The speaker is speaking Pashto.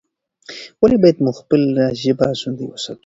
ولې باید موږ خپله ژبه ژوندۍ وساتو؟